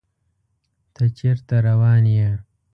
ته چیرته روان یې؟